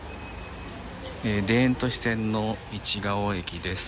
田園都市線の市が尾駅です。